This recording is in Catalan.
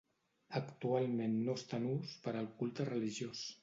Actualment no està en ús per al culte religiós.